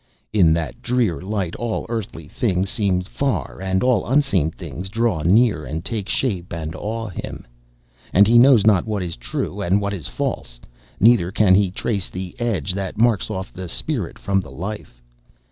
In that drear light all earthly things seem far, and all unseen things draw near and take shape and awe him, and he knows not what is true and what is false, neither can he trace the edge that marks off the Spirit from the Life.